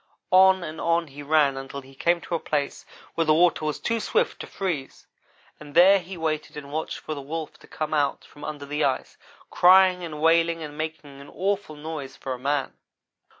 On and on he ran until he came to a place where the water was too swift to freeze, and there he waited and watched for the Wolf to come out from under the ice, crying and wailing and making an awful noise, for a man.